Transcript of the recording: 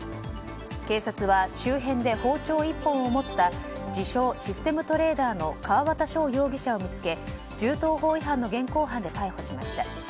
警察は周辺で包丁１本を持った自称システムトレーダーの川畑将容疑者を見つけ銃刀法違反の現行犯で逮捕しました。